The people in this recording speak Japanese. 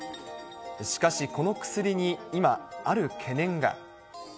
しかしこの薬に今、ある懸念が。